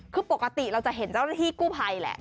คือปกติเราจะเห็นเจ้าหน้าที่กู้ภัยแหละ